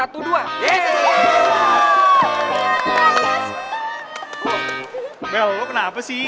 well lu kenapa sih